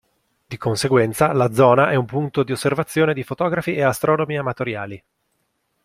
Di conseguenza la zona è un punto di osservazione di fotografi e astronomi amatoriali.